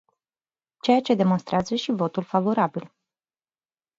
Ceea ce demonstrează și votul favorabil.